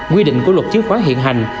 quy định của luật chứa khoán hiện hành